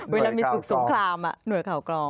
เวลามีฝึกสงครามหน่วยข่าวกรอง